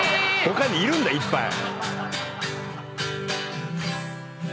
他にいるんだよいっぱい。